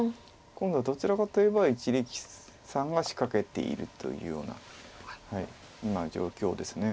今度はどちらかといえば一力さんが仕掛けているというような今状況です。